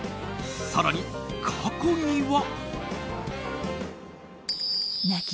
更に、過去には。